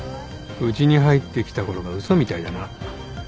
うちに入ってきたころが嘘みたいだな。